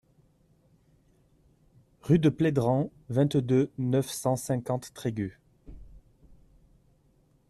Rue de Plédran, vingt-deux, neuf cent cinquante Trégueux